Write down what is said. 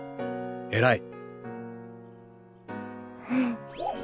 偉い！